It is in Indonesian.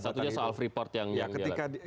salah satunya soal freeport yang jalan